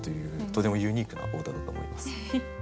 とてもユニークなお歌だと思います。